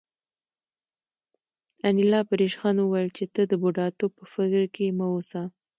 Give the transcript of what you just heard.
انیلا په ریشخند وویل چې ته د بوډاتوب په فکر کې مه اوسه